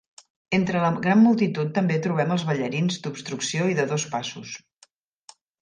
Entre la gran multitud també trobem els ballarins d"obstrucció i de dos passos.